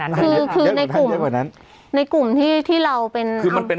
ห้าสิบยิ่งกว่าทันช่อกว่านั้นในกลุ่มที่ที่เราเป็นคือมันเป็น